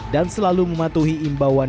dan selalu mematuhi imbauan dan kemampuan